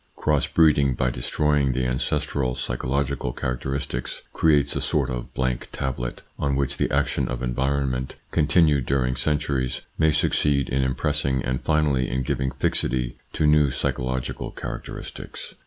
Cross breeding, by destroying the ancestral, psychological charac teristics, creates a sort of blank tablet on which the action of environment, continued during centuries, may succeed in impressing and finally in giving fixity to new psychological characteristics.